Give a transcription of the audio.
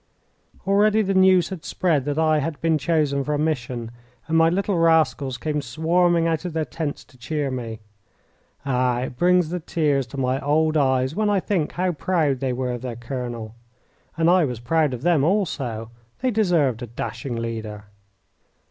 Already the news had spread that I had been chosen for a mission, and my little rascals came swarming out of their tents to cheer me. Ah! it brings the tears to my old eyes when I think how proud they were of their Colonel. And I was proud of them also. They deserved a dashing leader.